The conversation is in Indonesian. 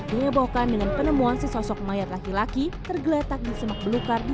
dihebohkan dengan penemuan sesosok mayat laki laki tergeletak di semak belukar di